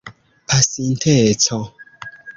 pasinteco